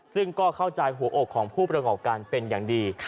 ซึ่งก็เข้าใจหัวอกของผู้ประกอบการเป็นอย่างดี